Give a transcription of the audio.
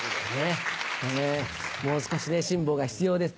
もう少しね辛抱が必要です。